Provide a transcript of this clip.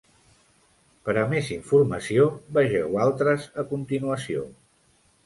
Per a més informació, vegeu "Altres" a continuació.